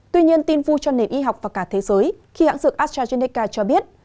tuy nhiên tin vui cho nền y học và cả thế giới khi hãng dược astrazeneca cho biết